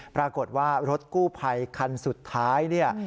ปรากฏว่ารถกู้ภัยคันสุดท้ายเนี่ย